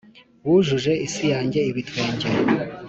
wujuje isi yanjye ibitwenge,